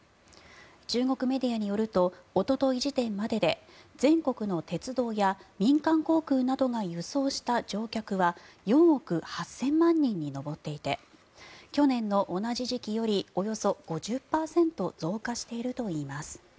中国メディアによるとおととい時点までで全国の鉄道や民間航空などが輸送した乗客は４億８０００万人に上っていて去年の同じ時期よりおよそ５０％増加しているといいます。